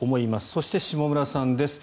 そして、下村さんです。